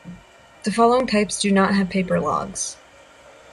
The following types do not have paper logs.